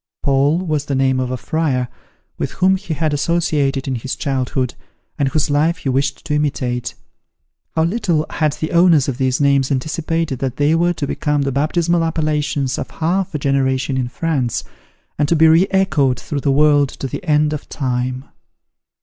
Paul was the name of a friar, with whom he had associated in his childhood, and whose life he wished to imitate. How little had the owners of these names anticipated that they were to become the baptismal appellations of half a generation in France, and to be re echoed through the world to the end of time!